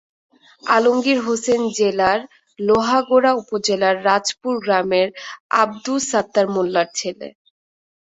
আলমগীর হোসেন জেলার লোহাগড়া উপজেলার রাজুপুর গ্রামের আবদুস সাত্তার মোল্লার ছেলে।